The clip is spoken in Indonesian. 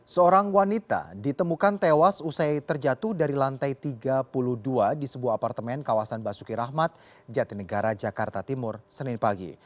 seorang wanita ditemukan tewas usai terjatuh dari lantai tiga puluh dua di sebuah apartemen kawasan basuki rahmat jatinegara jakarta timur senin pagi